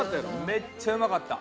めっちゃうまかった。